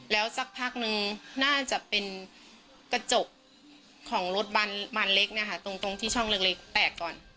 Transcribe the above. แล้วสักพักนึงน่าจะเป็นกระจกของรถบานเล็กนะคะตรงที่ช่องเล็กแตกก่อน